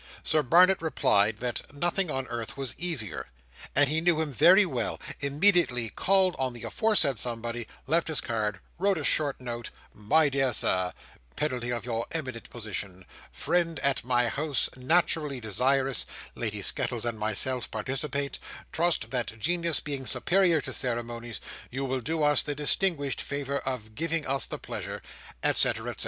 Sir Barnet replied, that nothing on earth was easier, as he knew him very well: immediately called on the aforesaid somebody, left his card, wrote a short note,—"My dear Sir—penalty of your eminent position—friend at my house naturally desirous—Lady Skettles and myself participate—trust that genius being superior to ceremonies, you will do us the distinguished favour of giving us the pleasure," etc, etc.